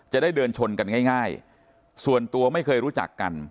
จะได้เดินชนกันง่ายส่วนตัวไม่เคยรู้จักกัน